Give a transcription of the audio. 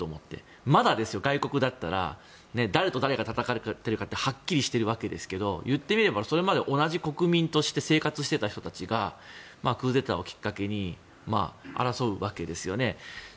まだ外国だったら誰と誰が戦ってるかってはっきりしてるわけですけど言ってみれば、それまで同じ国民として生活していた人たちがクーデターをきっかけに争うわけですよね。